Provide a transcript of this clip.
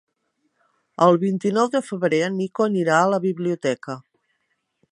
El vint-i-nou de febrer en Nico anirà a la biblioteca.